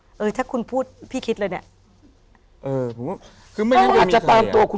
ไหมเออเออถ้าคุณพูดพี่คิดเลยเนี้ยเออคือไม่ได้อาจจะตามตัวคุณ